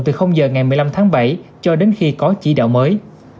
từ giờ ngày một mươi năm tháng bảy cho đến khi có chỉ đạo mới